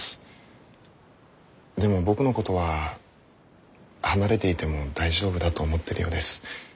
でも僕のことは離れていても大丈夫だと思ってるようです。